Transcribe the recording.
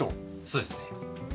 そうですね。